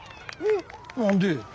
何で？